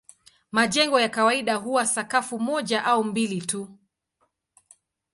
Majengo ya kawaida huwa sakafu moja au mbili tu.